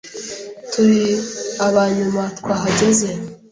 Turi aba nyuma twahageze.